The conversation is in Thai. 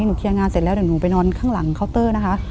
เคลียร์งานเสร็จแล้วเดี๋ยวหนูไปนอนข้างหลังเคาน์เตอร์นะคะ